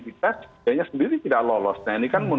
dikasihnya sendiri tidak lolos ini kan